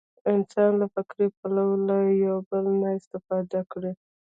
انسان له فکري پلوه له یو بل نه استفاده کړې.